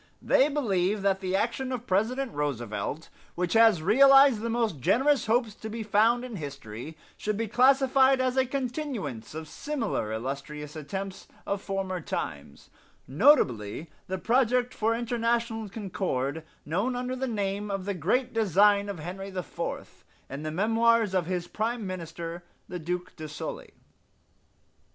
"They believe that the action of President Roosevelt, which has realized the most generous hopes to be found in history, should be classed as a continuance of similar illustrious attempts of former times, notably the project for international concord known under the name of the 'Great Design of Henry IV' in the memoirs of his Prime Minister, the Duke de Sully.